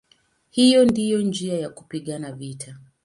Hiyo ndiyo njia ya kupigana vita".